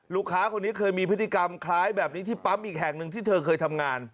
ลูกค้าคนนี้เคยมีพฤติกรรมคล้ายแบบนี้ที่ปั๊มอีกแห่งหนึ่งที่เธอเคยทำงาน